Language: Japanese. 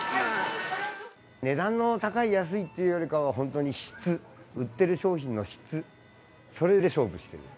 値段の高い安いというよりかは、本当に質、売ってる商品の質、それで勝負してる。